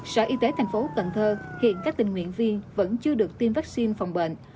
sở y tế thành phố cần thơ hiện các tình nguyện viên vẫn chưa được tiêm vaccine phòng bệnh